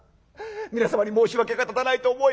皆様に申し訳が立たないと思い